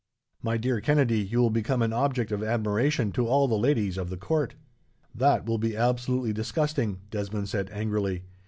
My dear Kennedy, you will become an object of admiration to all the ladies of the court." "That will be absolutely disgusting," Desmond said, angrily.